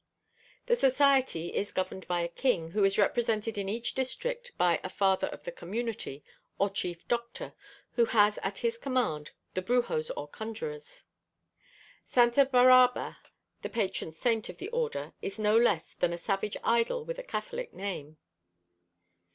The Society is governed by a King, who is represented in each district by a "Father of the Community" or Chief Doctor, who has at his command the Brujos or Conjurors. Santa Baraba, the patron saint of the order is no less than a savage idol with a Catholic name.